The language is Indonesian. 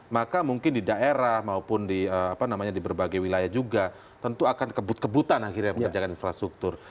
maka mungkin di daerah maupun di berbagai wilayah juga tentu akan kebut kebutan akhirnya mengerjakan infrastruktur